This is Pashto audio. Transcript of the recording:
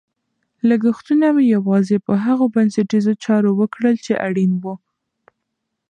لګښتونه مې یوازې په هغو بنسټیزو چارو وکړل چې اړین وو.